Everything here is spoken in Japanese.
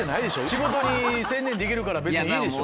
仕事に専念できるから別にいいでしょ。